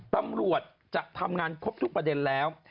ตำรวจจะทำงานครบทุกประเด็นแล้ว